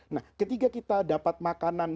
nah ketika kita dapat makanan